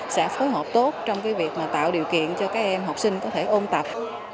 sẽ phối hợp tốt trong việc tạo điều kiện cho các em học sinh có thể ôn tập